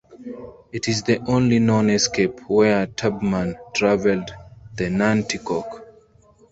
It is the only known escape where Tubman traveled the Nanticoke.